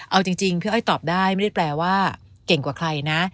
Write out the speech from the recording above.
ถ้าไม่ได้ตอบได้ไม่ได้แปลว่าเก่งกว่าใครนะ